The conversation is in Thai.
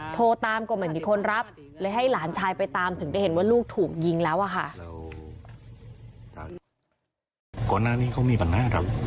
โทรตามก็ไม่มีคนรับเลยให้หลานชายไปตามถึงได้เห็นว่าลูกถูกยิงแล้วอะค่ะ